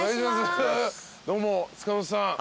どうも塚本さん。